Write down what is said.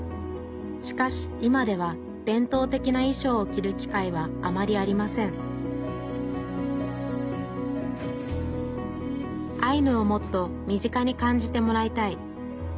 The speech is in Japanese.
しかし今では伝統的ないしょうを着る機会はあまりありませんアイヌをもっと身近に感じてもらいたい。